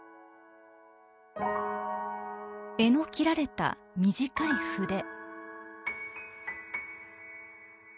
柄の切られた短い筆。